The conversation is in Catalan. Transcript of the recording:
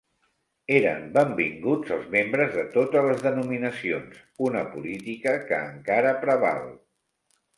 Eren benvinguts els membres de totes les denominacions, una política que encara preval.